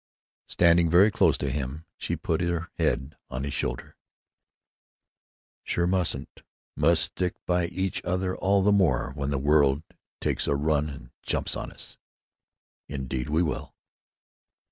Standing very close to him, she put her head on his shoulder. "Sure mustn't. Must stick by each other all the more when the world takes a run and jumps on us." "Indeed we will!"